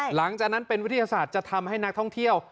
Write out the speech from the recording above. หลังจากนั้นเป็นวิทยาศาสตร์จะทำให้นักท่องเที่ยว